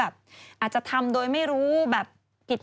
คุณค่ะ